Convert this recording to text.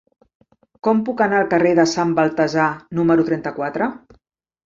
Com puc anar al carrer de Sant Baltasar número trenta-quatre?